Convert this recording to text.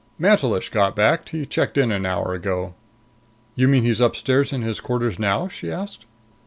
Mantelish got back. He checked in an hour ago." "You mean he's upstairs in his quarters now?" she asked.